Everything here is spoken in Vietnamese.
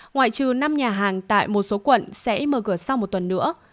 ngoại trừ năm nhà hàng tại một số quận sẽ mở cửa sau một tuần nữa